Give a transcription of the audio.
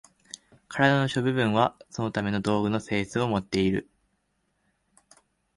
身体の諸部分はそのための道具の性質をもっている。